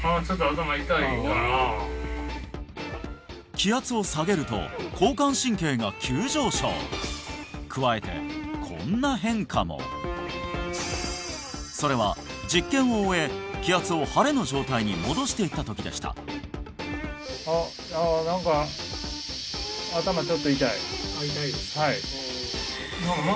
気圧を下げると交感神経が急上昇加えてこんな変化もそれは実験を終え気圧を晴れの状態に戻していった時でしたあっあああっ痛いですか？